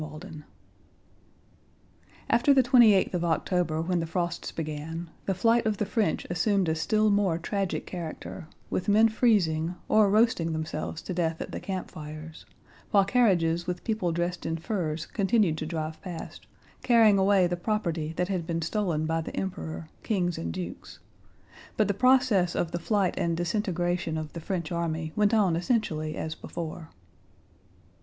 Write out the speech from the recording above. CHAPTER XVI After the twenty eighth of October when the frosts began, the flight of the French assumed a still more tragic character, with men freezing, or roasting themselves to death at the campfires, while carriages with people dressed in furs continued to drive past, carrying away the property that had been stolen by the Emperor, kings, and dukes; but the process of the flight and disintegration of the French army went on essentially as before.